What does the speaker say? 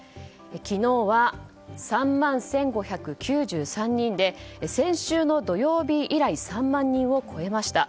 昨日は、３万１５９３人で先週の土曜日以来３万人を超えました。